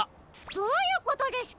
どういうことですか？